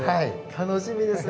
楽しみですね。